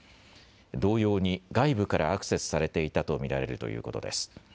同様に外部からアクセスされていたと見られるということです。